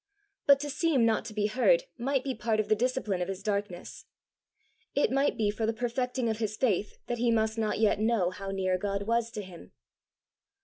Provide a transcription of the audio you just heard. But to seem not to be heard might be part of the discipline of his darkness! It might be for the perfecting of his faith that he must not yet know how near God was to him!